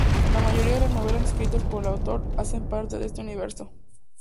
La mayoría de las novelas escritas por el autor, hacen parte de este universo.